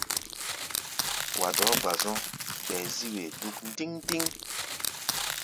Wa dɔɔ́ gba-zɔ̧́, ɓɛɛ zí-wee dúk ndíŋ-ndíŋ.